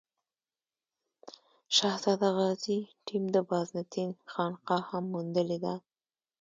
شهزاده غازي ټیم د بازنطین خانقا هم موندلې ده.